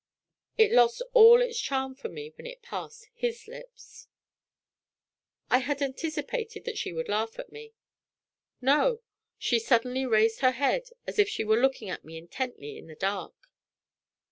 It lost all its charm for me when it passed his lips." I had anticipated that she would laugh at me. No! She suddenly raised her head as if she were looking at me intently in the dark.